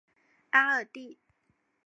阿尔蒂。